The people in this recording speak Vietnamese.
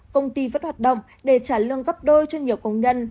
công ty vẫn hoạt động để trả lương gấp đôi cho nhiều công nhân